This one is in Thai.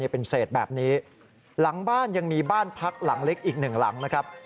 เป็นเศษแบบนี้หลังบ้านยังมีบ้านพักหลังเล็กอีกหนึ่งหลังนะครับ